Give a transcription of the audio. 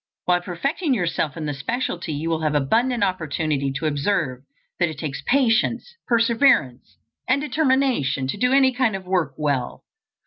While perfecting yourself in the specialty you will have abundant opportunity to observe that it takes patience, perseverance, and determination, to do any kind of work well.